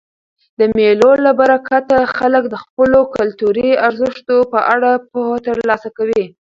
د مېلو له برکته خلک د خپلو کلتوري ارزښتو په اړه پوهه ترلاسه کوي.